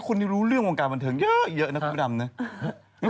คุณรู้เรื่องวงการบันเทิงเยอะนะคุณดำเนี่ย